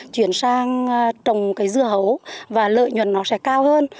chuyển sang trồng cây dưa hấu và lợi nhuận nó sẽ cao hơn